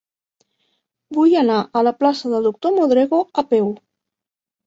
Vull anar a la plaça del Doctor Modrego a peu.